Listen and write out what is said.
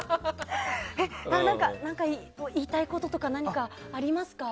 何か言いたいこととかありますか？